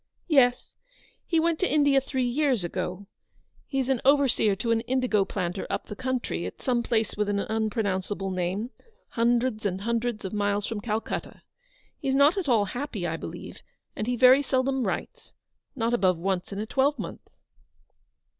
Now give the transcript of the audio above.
" Yes. He went to India three years ago. He's overseer to an indigo planter up the country, at some place with an unpronounceable name, hundreds and hundreds of miles from Calcutta. He's not at all happy, I believe, and he very seldom writes — not above once in a twelvemonth."